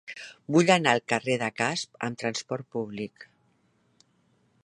Vull anar al carrer de Casp amb trasport públic.